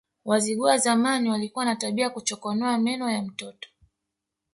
Wazigua wa zamani walikuwa na tabia ya kuchokonoa meno ya mtoto